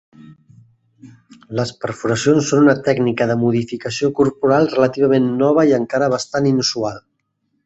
Les perforacions són una tècnica de modificació corporal relativament nova i encara bastant inusual.